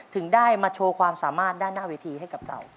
ถึงได้มาโชว์ความสามารถด้านหน้าเวทีให้กับเรา